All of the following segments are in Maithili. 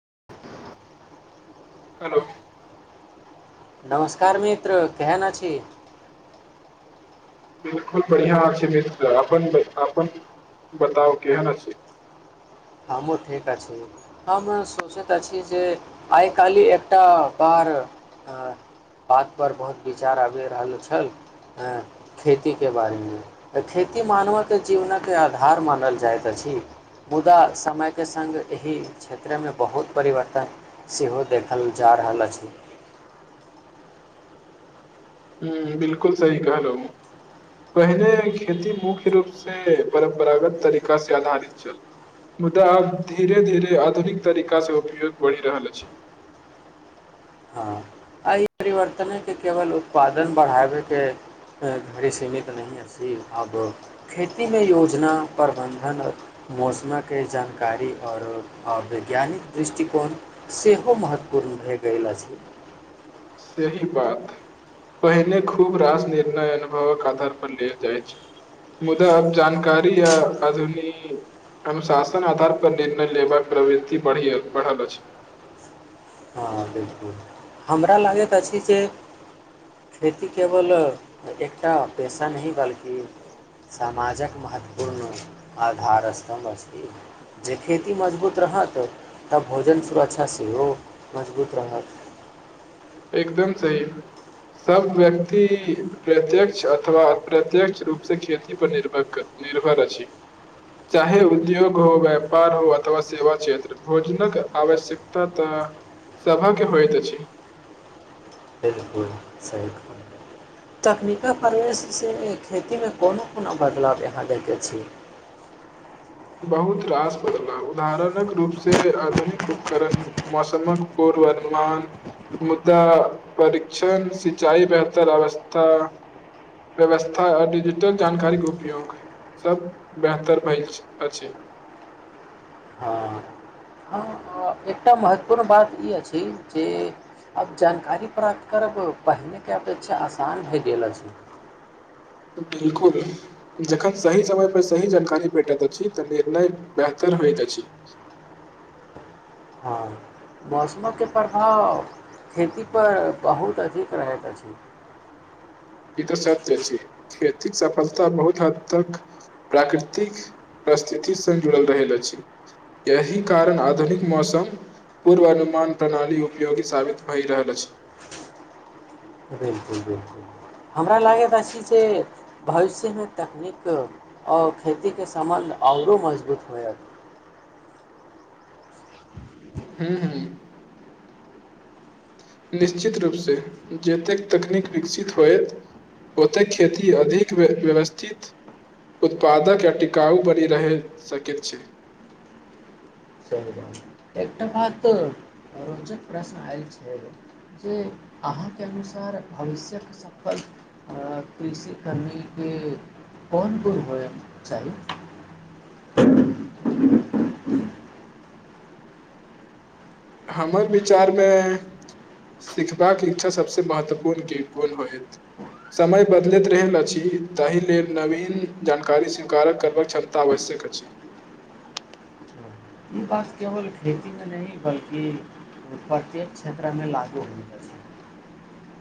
[inaudible] हेलो नमस्कार मित्र केहन अछि बिलकुल बढ़िआँ अछि मित्र अपन ब अपन बताउ केहन अछि हमूँ ठीक अछि हम सोचैत अछि जे आइ काल्हि एकटा बार बातपर बहुत विचार आबि रहल छल खेतीके बारेमे खेती मानवके जीवनके आधार मानल जाइत अछि मुदा समयके सङ्ग एहि क्षेत्रमे बहुत परिवर्तन सेहो देखल जा रहल अछि हूं बिलकुल सही कहलहु पहिने खेती मुख्य रूप से परम्परागत तरीका से आधारित छल मुदा आब धीरे धीरे आधुनिक तरीका से उपयोग बढ़ि रहल अछि परिवर्तनकके केवल उत्पादन बढ़ाबैके घड़ी सीमित नहि अछि अब खेतीमे योजना प्रबन्धन मौसमे के जानकारी आओर वैज्ञानिक दृष्टिकोण सेहो महत्वपूर्ण भए गेल अछि सही बात पहिने खूब रास निर्णय अनुभवक आधार पर लेल जाइत अछि मुदा जानकारी आ आधुनिक अनुशासन आधार पर निर्णय लेबाक प्रवृति बढ़ि बढ़ल अछि हँ बिलकुल हमरा लागैत अछि जे खेती केवल एकटा पेशा नहि बल्कि समाजक महत्वपूर्ण आधार स्तम्भ अछि जे खेती मजबूत रहत तऽ भोजन सुरक्षा सेहो मजबूत रहत एकदम सही सब व्यक्ति प्रत्यक्ष अथवा अप्रत्यक्ष रूप से खेती पर निर्भर निर्भर अछि चाहे उद्योग हो व्यापार हो अथवा सेवा क्षेत्र भोजनक आवश्यकता तऽ सभके होइत अछि तकनीकल फार खेतीमे कोनो कोनो बदलाव यहाँ दैके छैइ बहुत रास बदलाव उदाहरणक रूप से आधुनिक उपकरण मौसमक पूर्व अनुमान मुद्दा परीक्षण सिंचाई बेहतर अवस्था व्यवस्था आ डिजिटल जानकारी के उपयोग सब बेहतर भेल छै अच्छा हँ हँ एकटा महत्वपूर्ण बात ई अछि जे आब जानकारी प्राप्त करब पहिनेके अपेक्षा आसान भए गेल अछि बिलकुल जखन सही समयपर सही जानकारी भेटैत अछि तऽ निर्णय बेहतर होइत अछि हँ मौसमके प्रभाव खेतीपर बहुत अधिक रहैत अछि ई त सत्य अछि खेतीक सफलता बहुत हद तक प्राकृतिक परिस्थितिसँ जुड़ल रहल अछि एहि कारण आधुनिक मौसम पूर्वानुमान प्रणाली उपयोगी साबित भए रहल अछि बिलकुल बिल्कुल हमरा लागैत अछि जे भविष्यमे तकनीक आओर खेतीके सम्बन्ध आउरो मजबूत होयत हूं हूं निश्चित रूपसँ जतेक तकनीक विकसित होयत ओतेक खेती अधिक व्यवस्थित उत्पादक या टिकाउ बनी रहहि सकैत छै सही एकटा बात रोचक प्रश्न आयल छैइ जे अहाँके अनुसार भविष्यक सफल कृषि कर्मिके कोन कोन होयके चाही हमर विचारमे सिखबाक इच्छा सभसे महत्वपूर्ण कोन होयत समय बदलैत रहल अछि ताहि लेल नवीन जानकारी स्वीकार करबाक क्षमता आवश्यक अछि ई बात केवल खेतीमे नहि बल्कि प्रत्येक क्षेत्रमे लागू होएत अछि [unintelligible]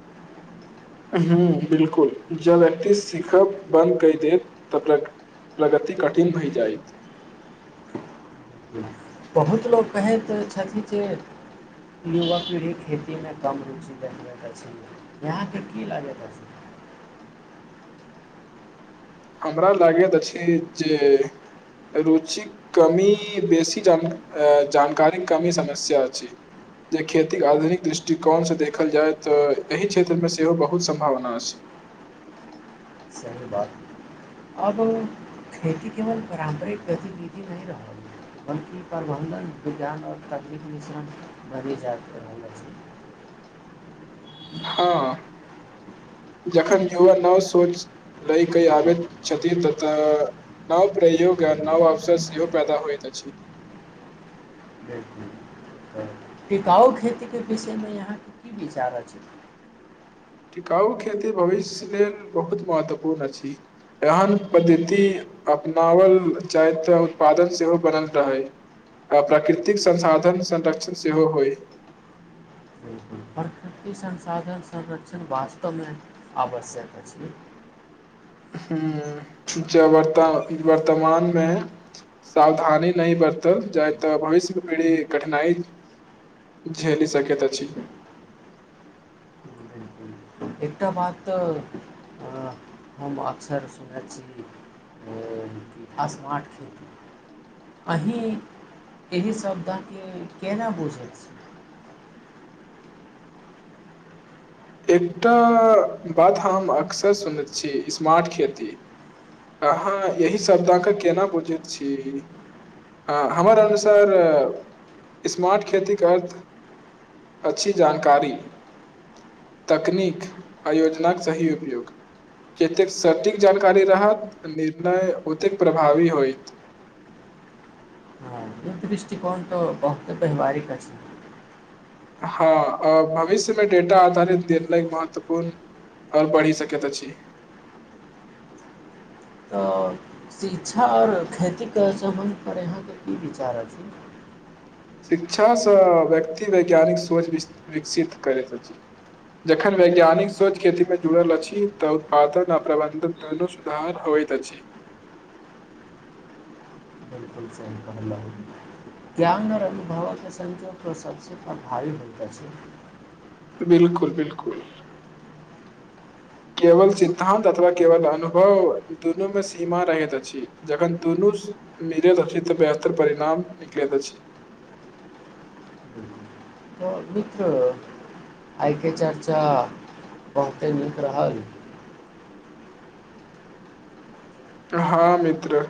हुं बिलकुल जब व्यक्ति सिखब बन्द कहि देत तऽ प्र प्रगति कठिन भए जायत बहुत लोक कहैत छथिन जे युवा पीढ़ी खेतीमे कम रुचि द जा छै यहाँके की लागैत अछि हमरा लागैत अछि जे रुचिक कमी बेसी जान जानकारीक कमी समस्या अछि जे खेतीक आधुनिक दृष्टिकोणसँ देखल जाय तऽ एहि क्षेत्रमे सेहो बहुत सम्भावना अछि सही बात अब खेती केवल पारम्परिक गतिविधि नहि रहल बल्कि प्रबन्धन विज्ञान आओर तकनीक मिश्रण बढ़ि जा रहल अछि हँ जखन युवा नव सोच लय कऽ आबैत छथिन ततऽ नव प्रयोग आ नव अवसर सेहो पैदा होइत अछि बिल्कुल तऽ टिकाउ खेतीके विषयमे यहाँके की विचार अछि टिकाउ खेती भविष्य लेल बहुत महत्वपूर्ण अछि एहन पद्धति अपनाओल जाय त उत्पादन सेहो बनल रहै आ प्राकृतिक संसाधन संरक्षण सेहो होय बिल्कुल प्रकृति संसाधन संरक्षण वास्तवमे आवश्यक अछि ह्म ज वर्त वर्तमानमे सावधानी नहि बरतल जाय तऽ भविष्यके पीढ़ी कठिनाइ झेलि सकैत अछि बिलकुल एकटा बात कहुं हम अक्सर सुनने छी कि स्मार्ट खेती अही एहि शब्दे केना बुझैत छी एकटा बात हम अक्सर सुनैत छी स्मार्ट खेती अहाँ यही शब्देँ केना बुझैत छी हमर अनुसार स्मार्ट खेतीक अर्थ अछि जानकारी तकनीक आ योजनाक सही उपयोग जतेक सटीक जानकारी रहत निर्णय ओतेक प्रभावी होयत हँ ई दृष्टिकोण तऽ बहुते व्यवहारिक अछि हँ भविष्यमे डेटा आधारित निर्णय महत्वपूर्ण आओर बढ़ि सकैत अछि तऽ शिक्षा आओर खेतीके सम्बन्धपर अहाँके की विचार अछि शिक्षासँ व्यक्ति वैज्ञानिक सोच विकसित करैत अछि जखन वैज्ञानिक सोच खेतीमे जुड़ल अछि तऽ उत्पादन आ प्रबन्धन दुनू सुधार होइत अछि ज्ञान आओर अभिभावक संख्या सब प्र भारी हो छै बिलकुल बिलकुल केवल सिद्धान्त अथवा केवल अनुभव दुनू मे सीमा रहैत अछि जखन दुनू मिलैत अछि तऽ बेहतर परिणाम निकलैत अछि बिल्कुल। मित्र आइके चर्चा बहुते नीक रहल हँ मित्र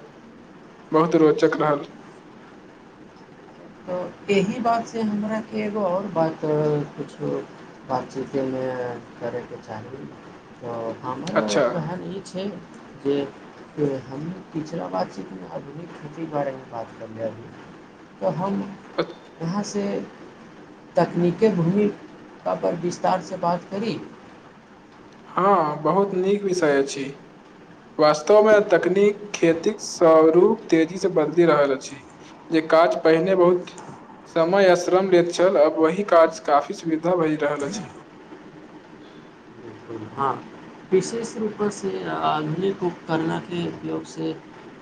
बहुत रोचक रहल तऽ एहि बातसँ हमराके एगो आओर बात किुछु बातचीतमे करैके चाही तऽ हमर अच्छा कहन ई छै जे हम पिछला बात चीत आधुनिक खेतीके बारेमे बात करले अभी तऽ हम जहाँ से तकनीकी भूमी परर विस्तारसँ बात करी हँ बहुत नीक विषय अछि वास्तवमे तकनीक खेतिक स्वरूप तेजीसँ बदलि रहल अछि जे काज पहिने बहुत समय आ श्रम लैत छल आ वही काज काफी सुविधा भए रहल अछि हँ विशेष रूपसँसँ आधुनिक उपकरणे उपयोगसँ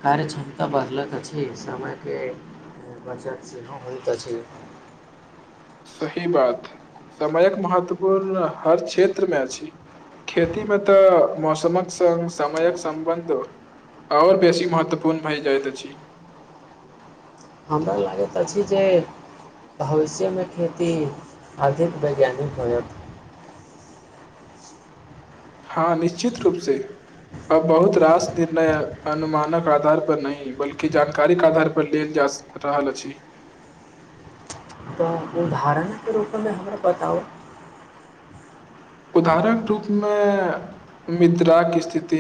कार्य क्षमता बढ़लक अछि समयके बचत सेहो होइत अछि सही बात समयक महत्वपूर्ण हर क्षेत्रमे अछि खेती मे तऽ मौसमक संगङ्ग समयक सम्बन्ध आओर बेसी महत्वपूर्ण भय जाइत अछि हमरा लागैत अछि जे भविष्यमे खेती अधिक वैज्ञानिक होयत हँ निश्चित रूप से अब बहुत रास निर्णय अनुमानक आधार पर नहि बल्कि जानकारी के आधार पर लेल जा रहल से अछि तऽ उदाहरणके रूपमे हमरा बताउ उदाहरण रूपमे मिद्राक स्थित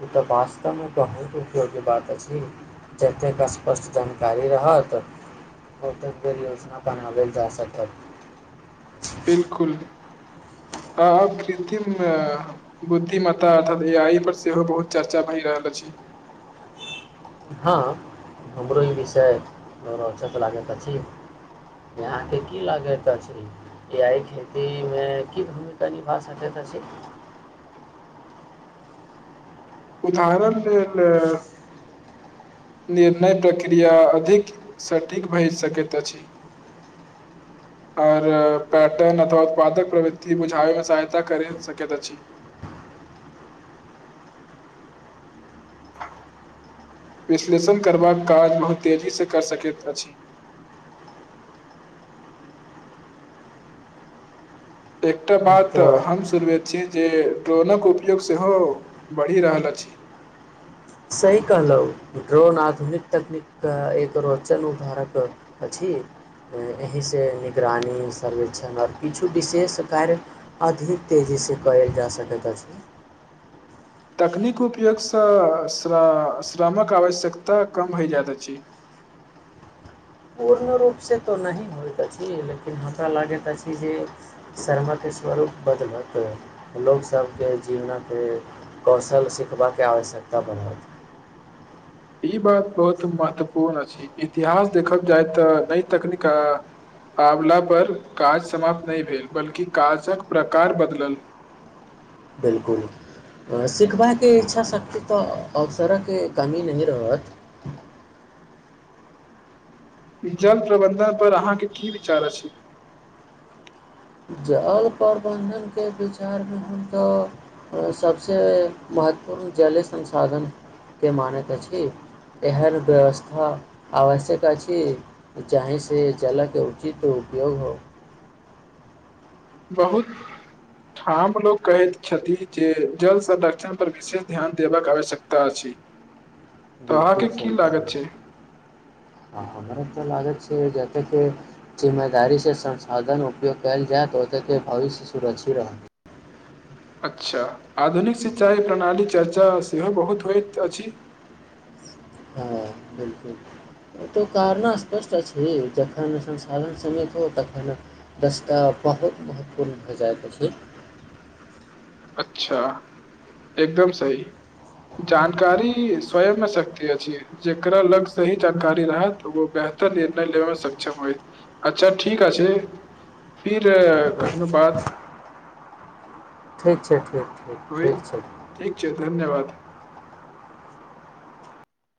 ई तऽ वास्तवमे कहैके उपयोग्य बात अछि जतेक स्पष्ट जानकारी रहत ओतेक बेर योजना बनाबल जा सकत बिलकुल आ कृत्रिम बुद्धिम्ता अर्थात ए आइ पर सेहो बहुत चर्चा भए रहल अछि हँ हमरो ई विषय रौचत लागैत अछि अहाँके की लागैत अछि कि एहिइ खेतीमे की भूमिका निभा सकैत अछि उदाहरण लेल निर्णय प्रक्रिया अधिक सठिक भए सकैत अछि आर पैटर्न अथव उत्पादक प्रवृत्ति बुझाबैमे सहायता करि सकैत अछि विश्लेषण करबाक काज बहुत तेजीसँ कर सकैत अछि एक [unintelligible] बात तऽ हम शुरूए सँ जे ड्रोनक उपयोग सेहो बढ़ि रहल अछि सही कहलहुँ ड्रोन आधुनिक तकनीकके एक रोचन उधारक अछि एहिसँ निगरानी सर्वेक्षण आओर किछु विशेष कार्य अधिक तेजीसँ कयल जा सकैत अछि तकनीक उपयोगसँ श श्रमक आवश्यकता कम हैजायइत अछि पूर्ण रूपसँ तऽ नहि होइत अछि लेकिन हमरा लागैत अछि जे शर्मके स्वरूप बदलत लोकसभके जीवनक कौशल सिखबाकके आवश्यकता बढ़त ई बात बहुत महत्वपूर्ण अछि इतिहास देखल जाय तऽ नई तकनीक आ आबला पर काज समाप्त नहि भेल बल्कि काजक प्रकार बदलल बिलकुल जल प्रबन्धन पर अहाँ जल प्रबन्धनके विचारमे हम तऽ सभसे महत्वपूर्ण जल संसाधनके मानैत अछि एहन व्यवस्था आवश्यक अछि जाहिसँ जलके उचित उपयोग हो बहुत ठाम लोक कहैत छथि जे जल संरक्षण पर विशेष ध्यान देबाक आवश्यकता अछि तऽ अहाँके की लागत छै ह हमरा तऽ लागैत छै जतेक के जिम्मेदारी से संसाधन उपयोग कयल जायत ओते के भविष्य सुरक्षित रहत अच्छा आधुनिक सिंचाई प्रणाली चर्चा सेहो बहुत होइत अछि हँ ओतहु कारना स्पष्ट अछि जखन संसाधन समित हो तखन दस्ताव बहुत महत्वपूर्ण भऽ जाइत अछि अच्छा एकदम सही जानकारी स्वयंमे सक्त अछि जकरा लग सही जानकारी रहत ओ बेहतर निर्णय लेबयमे सक्षम होय अच्छा ठीक अछि फिर कखनो बात ठीक छै ठीक ठ होइत ठीक छै ठीक छै धन्यवाद